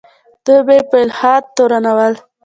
دوی به یې په الحاد تورنول.